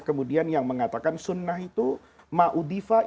kemudian yang mengatakan sunnah itu